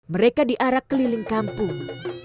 mereka diarak keliling kampung